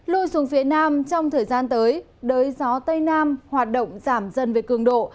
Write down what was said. lùi xuống phía nam trong thời gian tới đới gió tây nam hoạt động giảm dần về cường độ